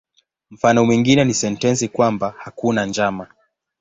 Mfano mwingine ni sentensi kwamba "hakuna njama".